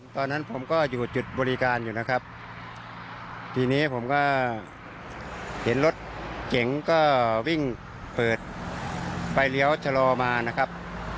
ตอนนั้นผมก็อยู่จุดบริการอยู่นะครับทีนี้ผมก็เห็นรถเก๋งก็วิ่งเปิดไฟเลี้ยวชะลอมานะครับ